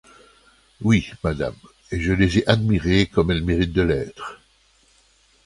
Oui, madame, et je les ai admirées comme elles méritent de l’être.